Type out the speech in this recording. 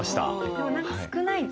でも何か少ないぞ。